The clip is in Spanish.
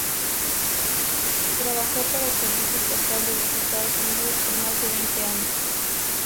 Trabajó para el Servicio Postal de los Estados Unidos por más de veinte años.